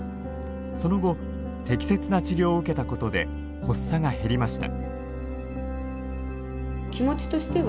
その後適切な治療を受けたことで発作が減りました。